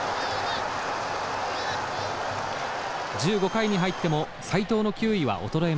１５回に入っても斎藤の球威は衰えません。